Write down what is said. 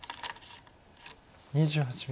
２８秒。